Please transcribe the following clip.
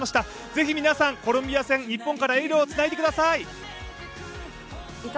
ぜひ皆さん、コロンビア戦、日本からエールを伝えてください。